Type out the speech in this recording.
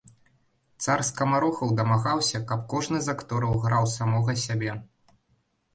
Цар скамарохаў дамагаўся, каб кожны з актораў граў самога сябе.